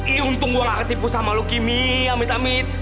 ih untung gua gak ketipu sama lu kimi amit amit